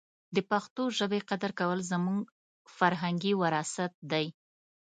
د پښتو ژبې قدر کول زموږ فرهنګي وراثت دی.